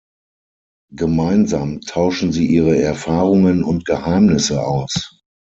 Gemeinsam tauschen sie ihre Erfahrungen und Geheimnisse aus.